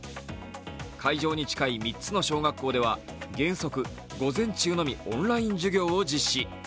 会場に近い３つの小学校では原則、午前中のみオンライン授業を実施。